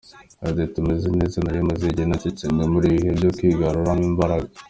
Yagize ati "Tumeze neza, nari maze igihe ncecetse, ndi mu bihe bya kwigaruramo imbaraga.